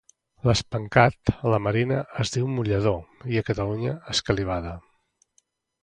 L'espencat, a la Marina es diu mullador i a Catalunya escalivada